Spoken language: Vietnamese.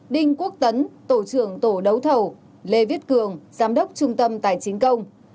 đinh quốc tấn tổ trưởng tổ đấu thầu lê viết cường giám đốc trung tâm tài chính công